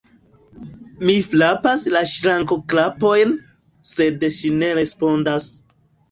Mi frapas la ŝrankoklapojn, sed ŝi ne respondas.